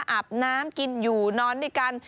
อาบน้ำกินอยู่นอนด้วยกัน